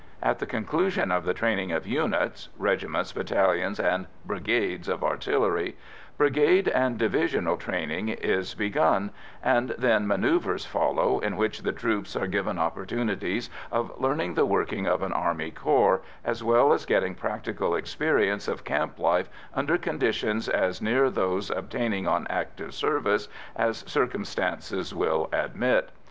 At the conclusion of the training of units regiments, battalions, and brigades of artillery brigade and divisional training is begun, and then manœuvres follow, in which the troops are given opportunities of learning the working of an army corps, as well as getting practical experience of camp life under conditions as near those obtaining on active service as circumstances will admit.